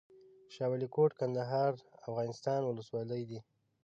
شاه ولي کوټ، کندهار افغانستان ولسوالۍ ده